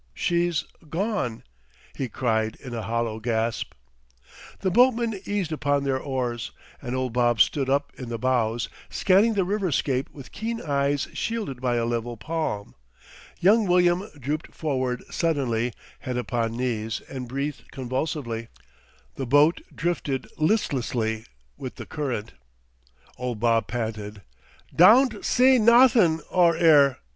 "She's gone!" he cried in a hollow gasp. The boatmen eased upon their oars, and old Bob stood up in the bows, scanning the river scape with keen eyes shielded by a level palm. Young William drooped forward suddenly, head upon knees, and breathed convulsively. The boat drifted listlessly with the current. Old Bob panted: "'Dawn't see nawthin' o' 'er."